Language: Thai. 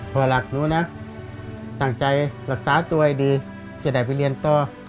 พ่อหลักหนูนะตั้งใจรักษาตัวให้ดีจะได้ไปเรียนต่อ